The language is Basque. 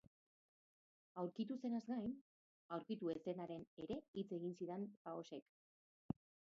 Aurkitu zenaz gain, aurkitu ez zenaz ere hitz egin zidan Faoxek.